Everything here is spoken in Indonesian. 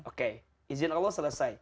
oke izin allah selesai